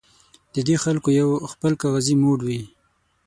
د دې خلکو یو خپل کاغذي موډ وي.